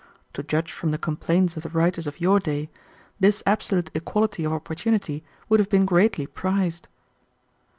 To judge from the complaints of the writers of your day, this absolute equality of opportunity would have been greatly prized."